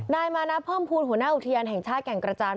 นายมานะเพิ่มภูมิหัวหน้าอุทยานแห่งชาติแก่งกระจาน